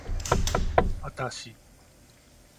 あたし